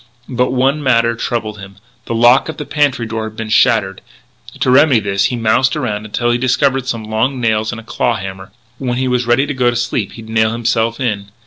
But one matter troubled him: the lock of the pantry door had been shattered. To remedy this he moused around until he discovered some long nails and a claw hammer. When he was ready to go to sleep he'd nail himself in.